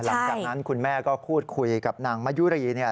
หลังจากนั้นคุณแม่ก็พูดคุยกับนางมะยุรีเนี่ย